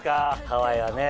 ハワイはね